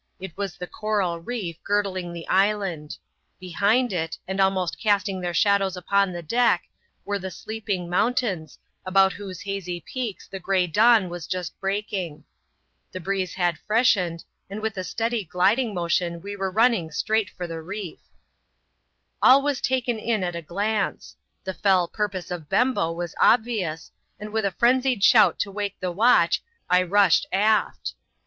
It was the coral reef, girdling the island. Behind it, and almost casting their shadows upon the deck, were the sleeping mountains, about whose hazy peaks the gray dawn was just breaking. The breeze had freshened, and with a steady gliding inoV.ioii'^^^e.re running wtraigbt for the reef. CHAP, xxm.] THE SECOND NIGHT OFF PAPEETEE. SI All was taken in at a glance ; the fell purpose of Bembo was •bvious, and with a frenzied shout to wake the watch I rushed aft.